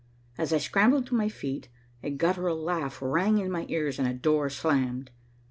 As I scrambled to my feet, a guttural laugh rang in my ears and a door slammed.